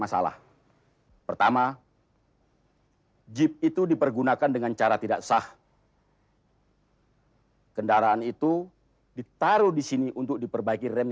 jangan berkata dia punya sim